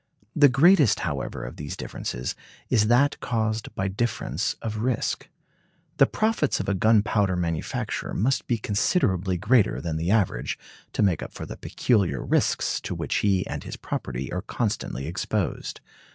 The greatest, however, of these differences, is that caused by difference of risk. The profits of a gunpowder manufacturer must be considerably greater than the average, to make up for the peculiar risks to which he and his property are constantly exposed.